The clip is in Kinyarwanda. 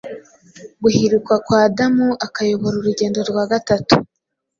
guhirikwa kwa Adamu, akayobora urugendo rwa gatatu